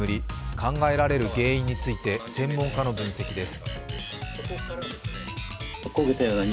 考えられる原因について専門家の分析です。